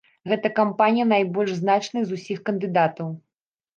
Гэта кампанія найбольш значная з усіх кандыдатаў.